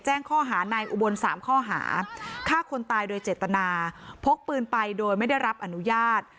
แจ้งข้อหานายอุบล๓ข้อหาฆ่าคนตายโดยเจตนาพกปืนไปโดยไม่ได้รับอนุญาต